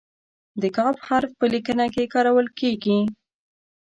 د "ک" حرف په لیکنه کې کارول کیږي.